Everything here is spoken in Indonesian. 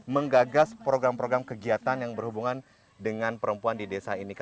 menggagas program program kegiatan yang berhubungan dengan perempuan di desa ini